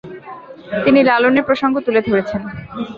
তিনি লালনের প্রসঙ্গ তুলে ধরেছেন।